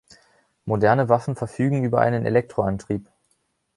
Moderne Waffen verfügen über einen Elektroantrieb.